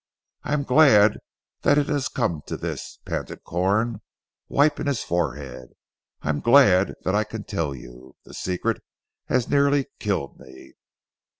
I am glad that it has come to this," panted Corn wiping his forehead, "I am glad that I can tell you. The secret has nearly killed me."